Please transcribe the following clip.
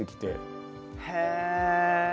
へえ！